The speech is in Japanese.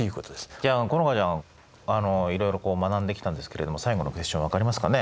じゃあ好花ちゃんいろいろ学んできたんですけれども最後のクエスチョン分かりますかね？